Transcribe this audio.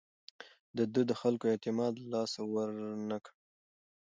ده د خلکو اعتماد له لاسه ورنه کړ.